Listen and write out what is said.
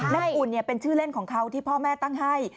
อุ่นเป็นชื่อเล่นของเขาที่พ่อแม่ตั้งให้